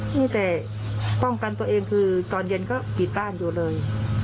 มีแต่ป้องกันตัวเองคือตอนเย็นก็ปิดบ้านอยู่เลย